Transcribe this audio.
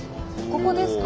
ここですか？